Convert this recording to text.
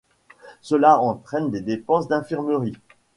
Cela entraîne des dépenses d’infirmerie.